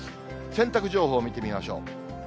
洗濯情報を見てみましょう。